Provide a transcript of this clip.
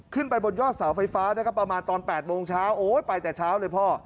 ขึ้นไปบนยอดเสาไฟฟ้านะครับประมาณตอน๘โมงเช้าโอ้ยไปแต่เช้าเลยพ่อ